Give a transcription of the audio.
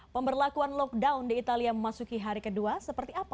pemberlakuan lockdown di italia memasuki hari kedua seperti apa